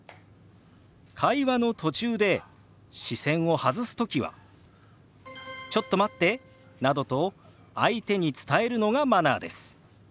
会話の途中で視線を外すときは「ちょっと待って」などと相手に伝えるのがマナーです。